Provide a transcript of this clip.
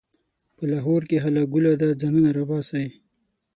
په لاهور کې هله ګوله ده؛ ځانونه راباسئ.